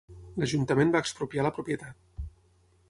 L'Ajuntament va expropiar la propietat.